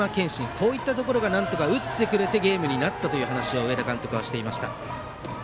こういたっところがなんとか打ってくれてゲームになったという話を上田監督はしていました。